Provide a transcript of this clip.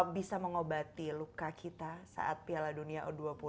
bisa mengobati luka kita saat piala dunia u dua puluh